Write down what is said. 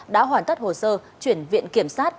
đã hoàn tất hồ sơ chuyển viện kiểm sát